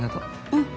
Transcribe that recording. うん。